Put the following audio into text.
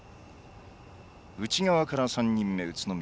内側から３人目、宇都宮。